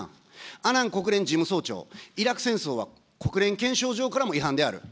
アナン国連事務総長、イラク戦争は国連憲章上からも違反である。